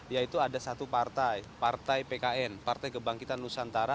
yaitu ada satu partai partai pkn partai kebangkitan nusantara